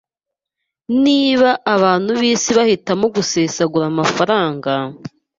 Niba abantu b’isi bahitamo gusesagura amafaranga,